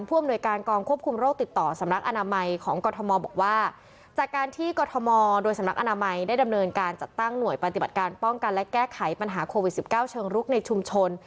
อำนวยการกองควบคุมโรคติดต่อสำนักอนามัยของกรทมบอกว่าจากการที่กรทมโดยสำนักอนามัยได้ดำเนินการจัดตั้งหน่วยปฏิบัติการป้องกันและแก้ไขปัญหาโควิด๑๙เชิงรุกในชุมชน